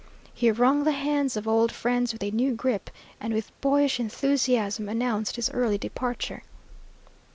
He wrung the hands of old friends with a new grip, and with boyish enthusiasm announced his early departure.